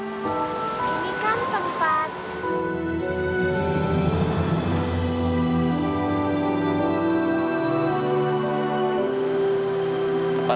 ini kan tempat